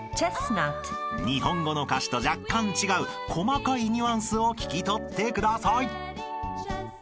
［日本語の歌詞と若干違う細かいニュアンスを聞き取ってください］